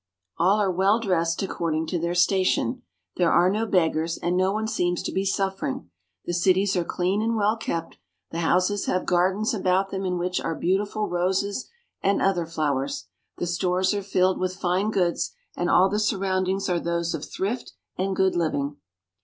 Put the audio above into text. All are well dressed according to their station. There are no beggars, and no one seems to be suffering. The cities are clean and well kept The houses have gardens about them in which are beautiful roses and other flowers ; the stores are filled with fine goods, and all the surroundings are those of thrift and good living.